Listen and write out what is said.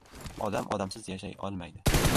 • Odam odamsiz yashay olmaydi.